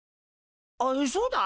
あっそうだ！